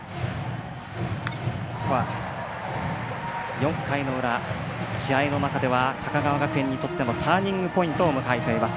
４回の裏、試合の中では高川学園にとってもターニングポイントを迎えています。